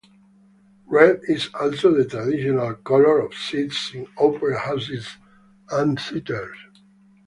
Red is also the traditional color of seats in opera houses and theaters.